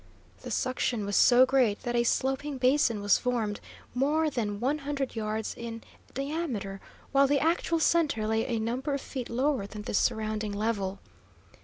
The suction was so great that a sloping basin was formed, more than one hundred yards in diameter, while the actual centre lay a number of feet lower than the surrounding level.